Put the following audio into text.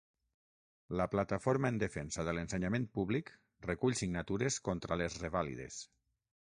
La Plataforma en Defensa de l'Ensenyament Públic recull signatures contra les revàlides.